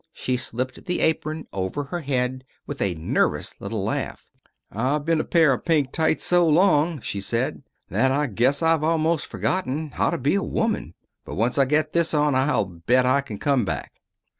She slipped the apron over her head with a nervous little laugh. "I've been a pair of pink tights so long," she said, "that I guess I've almost forgotten how to be a woman. But once I get this on I'll bet I can come back."